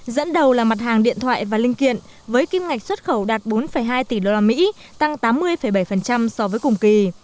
dẫn đầu là mặt hàng điện thoại và linh kiện với kim ngạch xuất khẩu đạt bốn hai tỷ usd tăng tám mươi bảy so với cùng kỳ